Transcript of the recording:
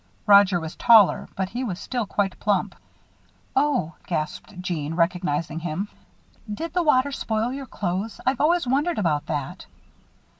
Roger was taller, but he was still quite plump. "Oh," gasped Jeanne, recognizing him. "Did the water spoil your clothes? I've always wondered about that."